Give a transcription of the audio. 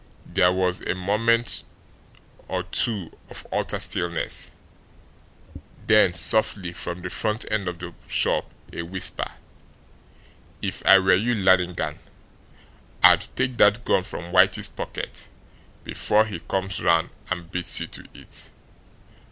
There was a moment, two, of utter stillness; then softly, from the front end of the shop, a whisper: "If I were you, Lannigan, I'd take that gun from Whitey's pocket before he comes round and beats you to it."